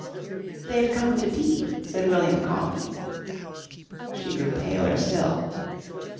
"They've come to tea," said William calmly. She grew paler still.